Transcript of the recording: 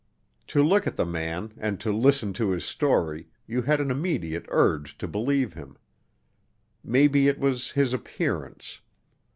To look at the man and to listen to his story you had an immediate urge to believe him. Maybe it was his appearance.